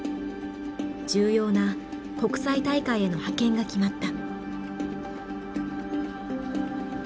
重要な国際大会への派遣が決まった。